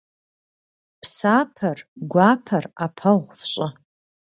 Псапэр, гуапэр Iэпэгъу фщIы.